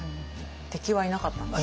敵はいなかったんですね。